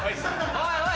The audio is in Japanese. おいおい！